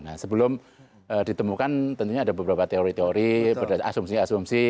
nah sebelum ditemukan tentunya ada beberapa teori teori asumsi asumsi